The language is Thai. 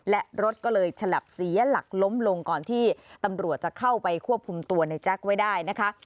และรถก็เลยฉลับเสียหลักล้มลงก่อนที่ตำรวจจะเข้าไปควบคุมตัวในแจ๊คไว้ได้นะคะ